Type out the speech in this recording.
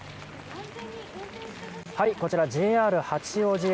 こちら、ＪＲ八王子駅